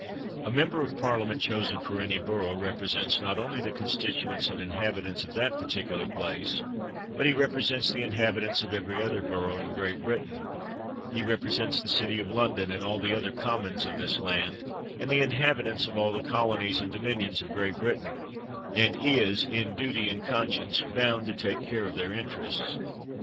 A member of Parliament chosen for any borough represents not only the constituents and 233 MANSFIELD inhabitants of that particular place, but he rep resents the inhabitants of every other borough in Great Britain. He represents the city of London, and all the other commons of this land, and the inhabitants of all the colonies and do minions of Great Britain; and is, in duty and conscience, bound to take care of their interests.